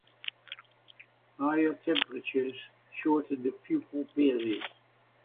Higher temperatures shorten the pupal period.